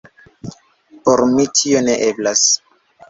Por mi tio ne eblas.